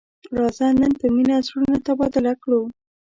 راځه نن په مینه زړونه تبادله کړو.